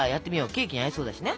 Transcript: ケーキに合いそうだしね。